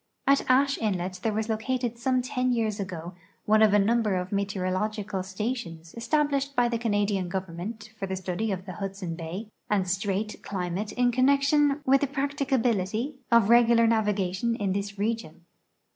At Ashe inlet there was located some ten years ago one of a number of meteorological stations established by the Canadian government for the study of the Hudson bay and strait climate in connection with the practicability of regular navigation in this region.